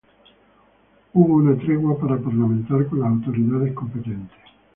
Hubo una tregua para parlamentar con las autoridades competentes.